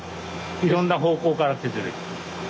いろんな方向から削れる。